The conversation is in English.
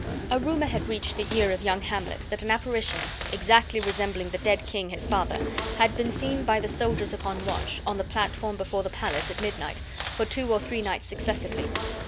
A rumor had reached the ear of young Hamlet that an apparition, exactly resembling the dead king his father, had been seen by the soldiers upon watch, on the platform before the palace at midnight, for two or three nights successively.